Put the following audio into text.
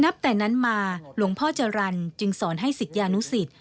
แต่นั้นมาหลวงพ่อจรรย์จึงสอนให้ศิษยานุสิต